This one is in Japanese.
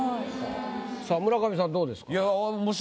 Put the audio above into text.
さあ村上さんどうですか？